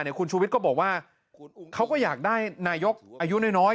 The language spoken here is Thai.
คุณผู้ชมข่อมูลก็บอกว่าเขาก็อยากได้ในนายกอายุน้อย